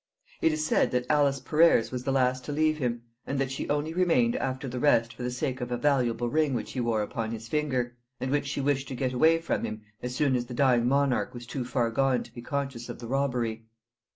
It is said that Alice Perrers was the last to leave him, and that she only remained after the rest for the sake of a valuable ring which he wore upon his finger, and which she wished to get away from him as soon as the dying monarch was too far gone to be conscious of the robbery.